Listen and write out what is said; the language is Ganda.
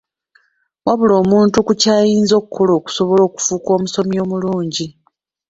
Wabula omuntu ku ky'ayinza okukola okusobola okufuuka omusomi omulungi.